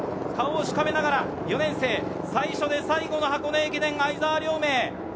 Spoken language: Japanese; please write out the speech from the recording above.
顔をしかめながら４年生、最初で最後の箱根駅伝、相澤龍明。